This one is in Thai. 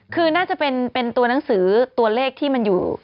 คือน่าจะเป็นตัวหนังสือตัวเลขที่มันอยู่